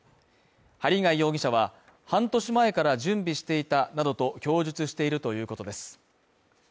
針谷容疑者は、半年前から準備していたなどと供述しているということです。